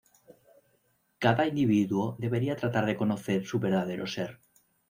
Cada individuo debería tratar de conocer su verdadero ser.